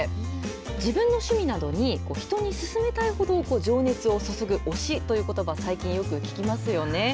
自分の趣味などに、人に勧めたいほど情熱を注ぐ推しということば、最近よく聞きますよね。